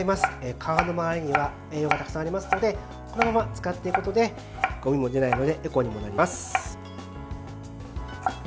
皮の周りには栄養がたくさんありますのでこのまま使っていくことでごみも出ないのでエコにもなります。